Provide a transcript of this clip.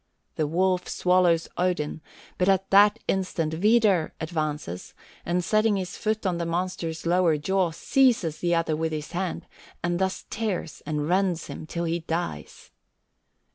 The wolf swallows Odin, but at that instant Vidar advances, and setting his foot on the monster's lower jaw, seizes the other with his hand, and thus tears and rends him till he dies.